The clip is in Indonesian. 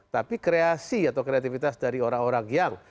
tapi kreasi atau kreativitas dari orang orang yang